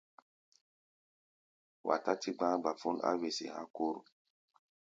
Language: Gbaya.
Wa tátí gba̧á̧ gbafón á wesé há̧ kór.